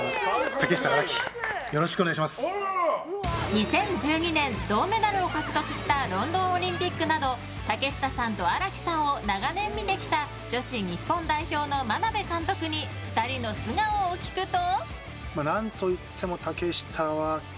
２０１２年銅メダルを獲得したロンドンオリンピックなど竹下さんと荒木さんを長年見てきた女子日本代表の眞鍋監督に２人の素顔を聞くと。